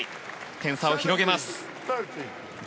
点差を広げます。